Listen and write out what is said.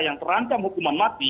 yang terancam hukuman mati